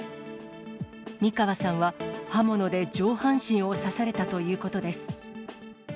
三川さんは刃物で上半身を刺されたということです。